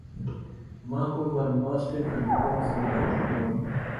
marco van basten alikuwa mfungaji bora